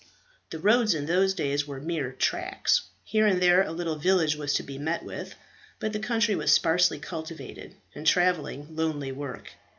The roads in those days were mere tracks. Here and there a little village was to be met with; but the country was sparsely cultivated, and travelling lonely work.